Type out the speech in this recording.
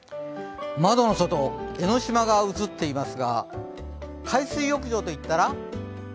窓の外、江の島が映っていますが海水浴場といったら？